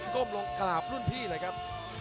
้มลงกราบรุ่นพี่เลยครับ